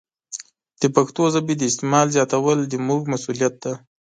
د پښتو ژبې د استعمال زیاتول زموږ مسوولیت دی.